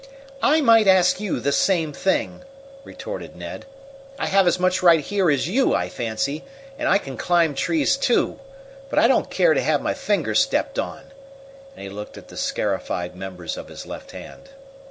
"I might ask you the same thing," retorted Ned. "I have as much right here as you, I fancy, and I can climb trees, too, but I don't care to have my fingers stepped on," and he looked at the scarified members of his left hand.